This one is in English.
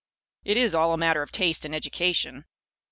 It is all a matter of taste and of education.